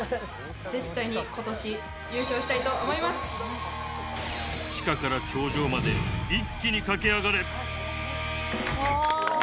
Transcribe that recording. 絶対にことし、優勝したいと地下から頂上まで一気に駆け上がれ。